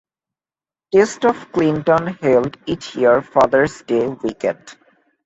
"Taste of Clinton" held each year Father's Day weekend.